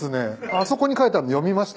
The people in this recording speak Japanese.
あそこに書いてあるの読みました？